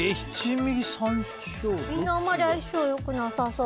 みんなあまり相性良くなさそう。